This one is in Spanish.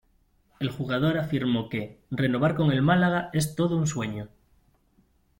El jugador afirmó que, "renovar con el Málaga es todo un sueño.